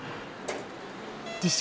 自称